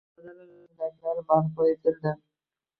Piyodalar o‘tish yo‘laklari barpo etildi.